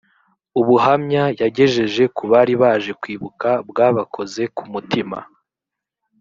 ubuhamya yagejeje kubari baje kwibuka bwabakoze ku mutima